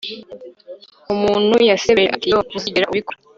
umuntu yasebeje ati yoo, ntuzigera ubikora